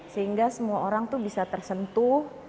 sehingga semua orang tuh bisa tersentuh